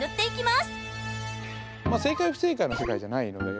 まあ正解不正解の世界じゃないので。